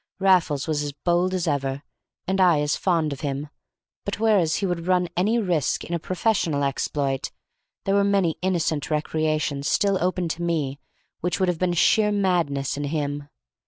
Raffles was as bold as ever, and I as fond of him, but whereas he would run any risk in a professional exploit, there were many innocent recreations still open to me which would have been sheer madness in him.